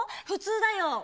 普通だよ」。